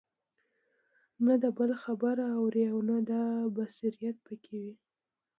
نه د بل خبره اوري او نه دا بصيرت په كي وي